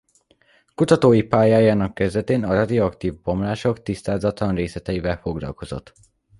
Kutatói pályájának kezdetén a radioaktív bomlások tisztázatlan részleteivel foglalkozott.